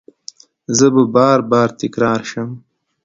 زه به بار، بار تکرار شم